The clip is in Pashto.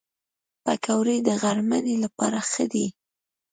پکورې د غرمنۍ لپاره ښه دي